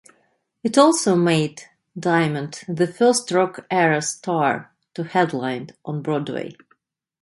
It also made Diamond the first rock-era star to headline on Broadway.